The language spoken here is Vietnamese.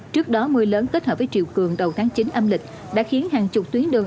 trước đó mưa lớn kết hợp với triều cường đầu tháng chín âm lịch đã khiến hàng chục tuyến đường